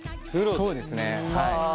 そうですねはい。